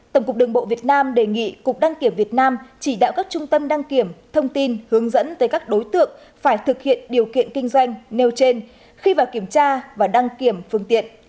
tổng cục đường bộ việt nam đề nghị cục đăng kiểm việt nam chỉ đạo các trung tâm đăng kiểm thông tin hướng dẫn tới các đối tượng phải thực hiện điều kiện kinh doanh nêu trên khi vào kiểm tra và đăng kiểm phương tiện